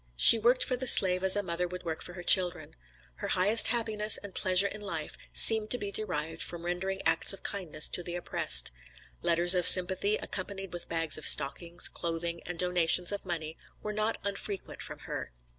She worked for the slave as a mother would work for her children. Her highest happiness aad pleasure in life seemed to be derived from rendering acts of kindness to the oppressed. Letters of sympathy accompanied with bags of stockings, clothing, and donations of money were not unfrequent from her.